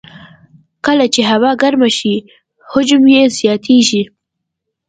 کله چې هوا ګرمه شي، حجم یې زیاتېږي.